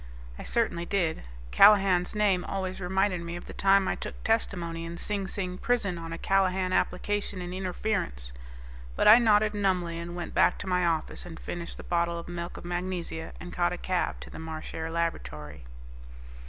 I certainly did. Callahan's name always reminded me of the time I took testimony in Sing Sing Prison on a Callahan application in Interference. But I nodded numbly and went back to my office and finished the bottle of milk of magnesia and caught a cab to the Marchare Laboratory.